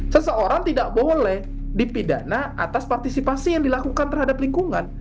seseorang tidak boleh dipidana atas partisipasi yang dilakukan terhadap lingkungan